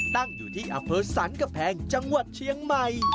สร้างอยู่ที่อเผิดสรรคแผงจังหวัดเชียงใหม่